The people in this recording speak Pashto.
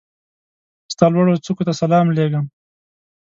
ستا لوړوڅوکو ته سلام لېږم